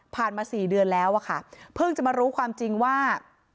มา๔เดือนแล้วอะค่ะเพิ่งจะมารู้ความจริงว่า